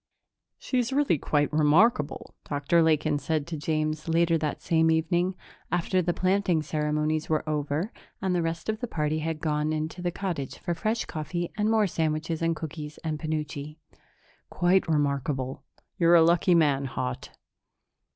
"She's really quite remarkable," Dr. Lakin said to James later that same evening, after the planting ceremonies were over and the rest of the party had gone into the cottage for fresh coffee and more sandwiches and cookies and penuche. "Quite remarkable. You're a lucky man, Haut."